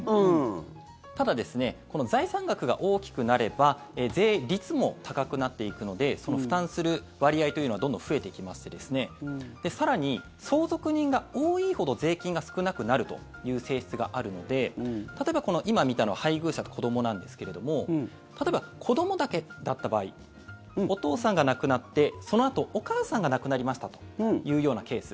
ただ、この財産額が大きくなれば税率も高くなっていくので負担する割合というのはどんどん増えていきまして更に相続人が多いほど税金が少なくなるという性質があるので例えば、今見たのは配偶者と子どもなんですけれども例えば子どもだけだった場合お父さんが亡くなってそのあとお母さんが亡くなりましたというケース。